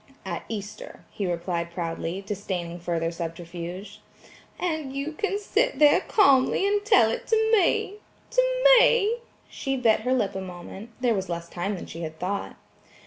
"At Easter," he replied proudly, disdaining further subterfuge. "And you can sit there calmly and tell it to me–to me–," she bit her lip a moment; there was less time than she had thought.